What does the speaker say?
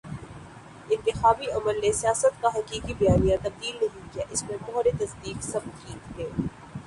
انتخابی عمل نے سیاست کا حقیقی بیانیہ تبدیل نہیں کیا، اس پر مہر تصدیق ثبت کی ہے۔